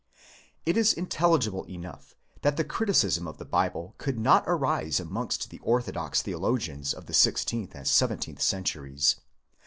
It is intelligible enough that the criticism of the Bible could not arise amongst the orthodox theo logians of the sixteenth and seventeenth centuries.